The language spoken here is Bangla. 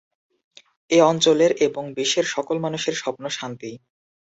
এ অঞ্চলের এবং বিশ্বের সকল মানুষের স্বপ্ন শান্তি।